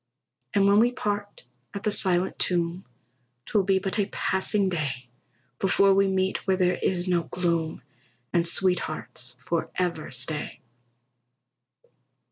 And when we part at the silent tomb, 'Twill be but a passing day Before we meet where there is no gloom, And sweethearts forever stay.